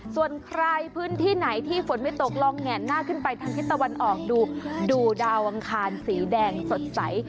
ส่วนใครพื้นที่ไหนที่ฝนไม่ตกลองแห่นหน้าขึ้นไปทางทิศตะวันออกดูดูดาวอังคารสีแดงสดใส